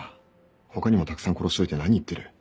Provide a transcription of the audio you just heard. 他にもたくさん殺しといて何言ってる。